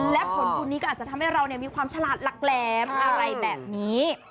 และผลบุญนี้ก็อาจจะทำให้เรามีความฉลาดหลักแหลมอะไรแบบนี้